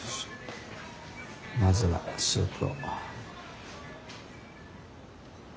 まずはスープを。